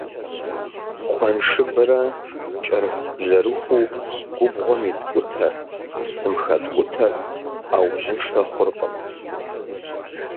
Куэншыбрэ кӏэрыхубжьэрыхуу губгъуэм иткӏутэр, псым хэткӏутэр ӏэужьыншэ хъуркъым.